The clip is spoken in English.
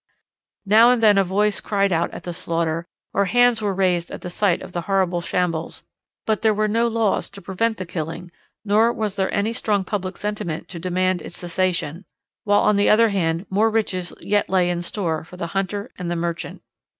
Now and then a voice cried out at the slaughter, or hands were raised at the sight of the horrible shambles, but there were no laws to prevent the killing nor was there any strong public sentiment to demand its cessation, while on the other hand more riches yet lay in store for the hunter and the merchant.